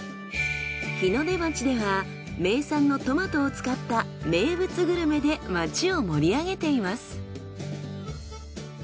日の出町では名産のトマトを使った名物グルメで町を盛り上げています。